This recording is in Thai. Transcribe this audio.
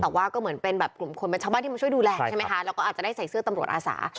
แต่ว่าก็เหมือนเป็นแบบกลุ่มคนเป็นชาวบ้านที่มาช่วยดูแลใช่ไหมคะแล้วก็อาจจะได้ใส่เสื้อตำรวจอาสา